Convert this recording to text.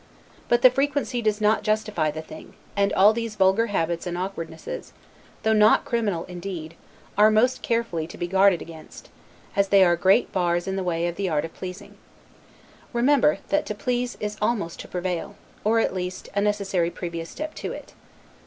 But the frequency does not justify the thing, and all these vulgar habits and awkwardnesses, though not criminal indeed, are most carefully to be guarded against, as they are great bars in the way of the art of pleasing. Remember, that to please is almost to prevail, or at least a necessary previous step to it.